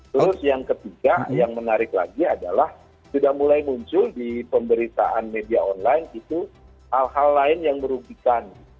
terus yang ketiga yang menarik lagi adalah sudah mulai muncul di pemberitaan media online itu hal hal lain yang merugikan